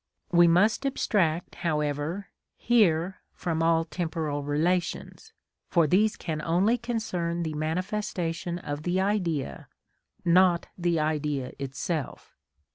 (40) We must abstract however here from all temporal relations, for these can only concern the manifestation of the Idea, not the Idea itself.